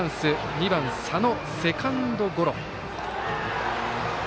２番、佐野セカンドゴロ。